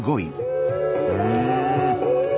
うん。